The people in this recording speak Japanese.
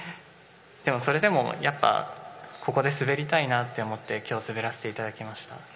でもそれでも、やっぱりここで滑りたいなと思って今日、滑らせていただきました。